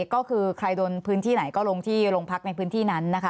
ก็คือใครโดนพื้นที่ไหนก็ลงที่โรงพักในพื้นที่นั้นนะคะ